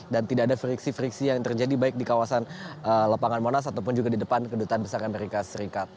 dan tidak ada friksi friksi yang terjadi baik di kawasan lapangan monas ataupun juga di depan kedutaan besar amerika serikat